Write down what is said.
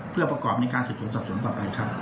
เพื่อประกอบในการสืบสวนสอบสวนต่อไปครับ